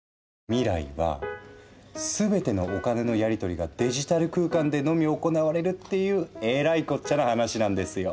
未来は全てのお金のやりとりがデジタル空間でのみ行われるっていうえらいこっちゃな話なんですよ。